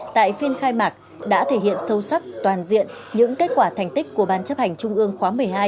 tại phiên khai mạc đã thể hiện sâu sắc toàn diện những kết quả thành tích của ban chấp hành trung ương khóa một mươi hai